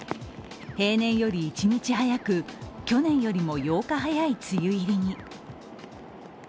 平年より１日早く、去年よりも８日早い梅雨入りに。